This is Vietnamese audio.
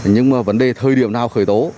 nhưng mà vấn đề thời điểm nào khởi tố